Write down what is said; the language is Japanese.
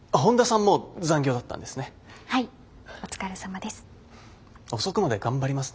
お疲れさまです。